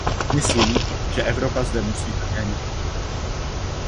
Myslím, že Evropa zde musí také něco udělat.